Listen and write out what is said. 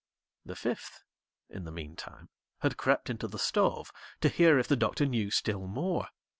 The fifth, in the meantime, had crept into the stove to hear if the Doctor knew still more.